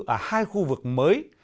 ở hai khu vực mới